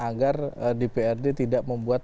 agar dprd tidak membuat